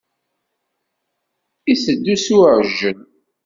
Iteddu s uɛijel.